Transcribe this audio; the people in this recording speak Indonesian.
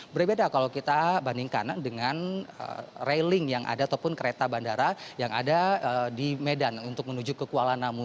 berbeda kalau kita bandingkan dengan railing yang ada ataupun kereta bandara yang ada di medan untuk menuju ke kuala namu